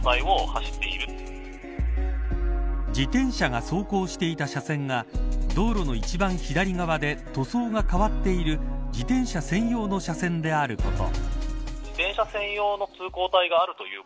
自転車が走行していた車線が道路の一番左側で塗装が変わっている自転車専用の車線であること。